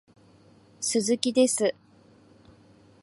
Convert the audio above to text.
鈴木です